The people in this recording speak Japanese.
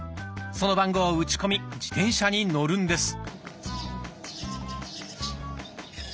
その番号を打ち込み自転車に乗るんです。